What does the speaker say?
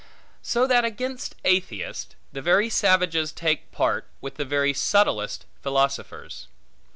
So that against atheists, the very savages take part, with the very subtlest philosophers.